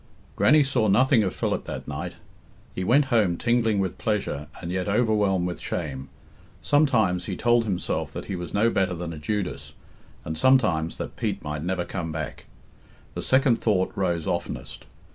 Grannie saw nothing of Philip that night. He went home tingling with pleasure, and yet overwhelmed with shame. Sometimes he told himself that he was no better than a Judas, and sometimes that Pete might never come back. The second thought rose oftenest.